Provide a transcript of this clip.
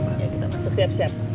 kita masuk siap siap